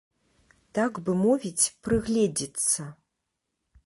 Так бы мовіць, прыгледзіцца.